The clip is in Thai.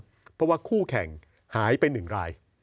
เพราะว่าคู่แข่งหายไป๑ราย